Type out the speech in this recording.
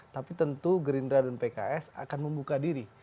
tapi tentu gerindra dan pks akan membuka diri